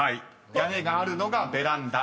［屋根があるのがベランダ。